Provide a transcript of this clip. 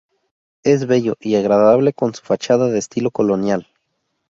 Es bello y agradable con su fachada de estilo colonial.